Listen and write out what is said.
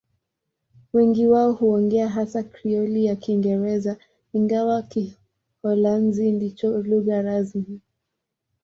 Wengi wao huongea hasa Krioli ya Kiingereza, ingawa Kiholanzi ndicho lugha rasmi.